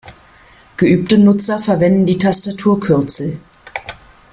Geübte Nutzer verwenden die Tastaturkürzel.